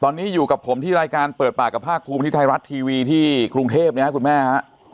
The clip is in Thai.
ตอนนี้อยู่กับผมที่รายการเปิดปากกับภาคภูมิที่ไทยรัฐทีวีที่กรุงเทพนะครับคุณแม่ฮะ